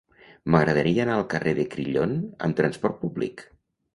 M'agradaria anar al carrer de Crillon amb trasport públic.